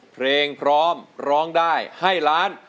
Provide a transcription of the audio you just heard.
เพลงพร้อมร้องได้ให้ล้าน